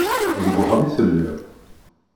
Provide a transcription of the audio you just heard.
Deg uxxam itelliḍ?